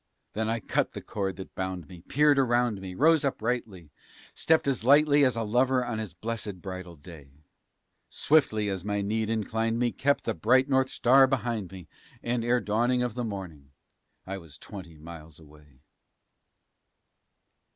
Then I cut the cord that bound me, peered around me, rose uprightly, Stepped as lightly as a lover on his blessed bridal day; Swiftly as my need inclined me, kept the bright North Star behind me, And, ere dawning of the morning, I was twenty miles away.